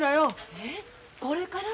えっこれから？